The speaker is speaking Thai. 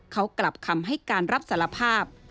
เขากลับคำให้การรับสารภาพ